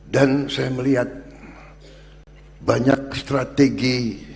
dan saya melihat banyak strategi